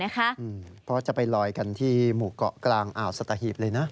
เพราะจะไปลอยกันที่หมู่เกาะกลางอ่าวสัตหีบเลยนะ